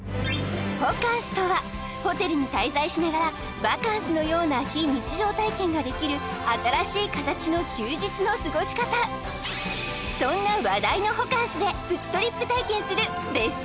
「ホカンス」とはホテルに滞在しながらバカンスのような非日常体験ができる新しい形の休日の過ごし方そんな話題のホカンスでプチトリップ体験する「別冊！